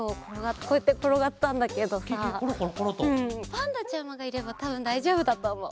パンダちゃまがいればたぶんだいじょうぶだとおもう。